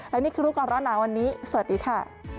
และนี่คือรูปความร้อนน้ำวันนี้สวัสดีค่ะ